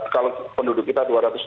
kalau penduduk kita